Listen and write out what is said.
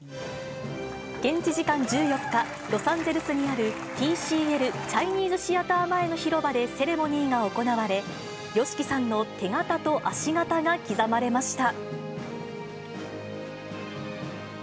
現地時間１４日、ロサンゼルスにあるＴＣＬチャイニーズ・シアター前の広場でセレモニーが行われ、ＹＯＳＨＩＫＩさんの手形と足形が刻まれました。